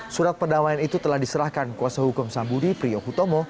surat perdamaian itu telah diserahkan kuasa hukum sambudi priyokutomo